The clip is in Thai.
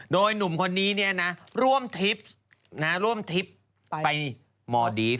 โดยหนุ่มคนนี้เนี่ยนะร่วมทริปร่วมทริปไปมอดีฟ